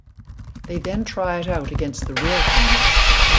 They then try it out against the real thing.